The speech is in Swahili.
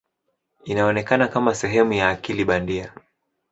Inaonekana kama sehemu ya akili bandia.